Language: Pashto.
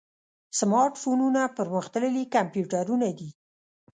سمارټ فونونه پرمختللي کمپیوټرونه دي.